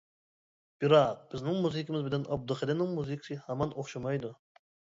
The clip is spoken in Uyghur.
بىراق بىزنىڭ مۇزىكىمىز بىلەن ئابدۇخېلىلنىڭ مۇزىكىسى ھامان ئوخشىمايدۇ.